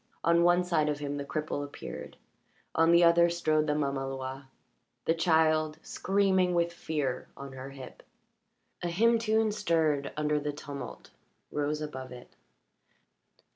On one side of him the cripple appeared; on the other strode the mamaloi the child, screaming with fear, on her hip. A hymn tune stirred under the tumult rose above it.